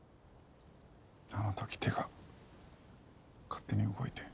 あの時手が勝手に動いて。